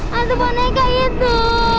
hantu boneka itu